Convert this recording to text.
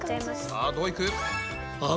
さあどういく？